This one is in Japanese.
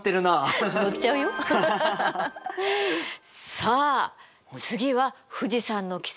さあ次は富士山の奇跡